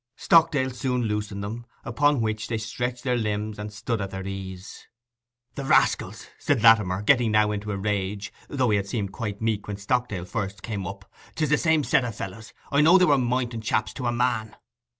Stockdale soon loosened them, upon which they stretched their limbs and stood at their ease. 'The rascals!' said Latimer, getting now into a rage, though he had seemed quite meek when Stockdale first came up. ''Tis the same set of fellows. I know they were Moynton chaps to a man.